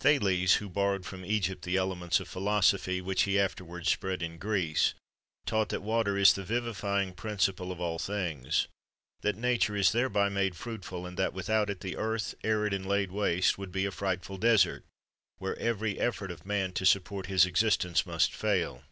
Thales, who borrowed from Egypt the elements of philosophy, which he afterwards spread in Greece, taught that water is the vivifying principle of all things; that nature is thereby made fruitful; that without it the earth, arid and laid waste, would be a frightful desert, where every effort of man to support his existence must fail.